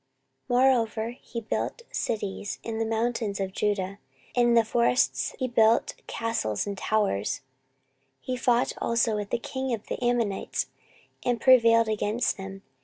14:027:004 Moreover he built cities in the mountains of Judah, and in the forests he built castles and towers. 14:027:005 He fought also with the king of the Ammonites, and prevailed against them.